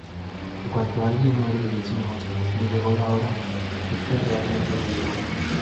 Cuando alguien muere y decimos:"le llegó la hora" es que realmente le llegó.